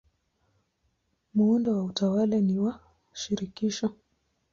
Muundo wa utawala ni wa shirikisho.